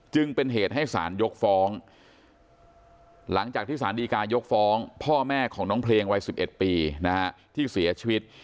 จึงเป็นเหตุให้สารยกฟ้องหลังจากที่สารดีกายกฟ้องพ่อแม่ของน้องเพลงวัย๑๑ปีที่เสียชีวิต